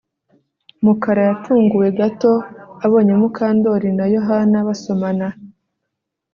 Mukara yatunguwe gato abonye Mukandoli na Yohana basomana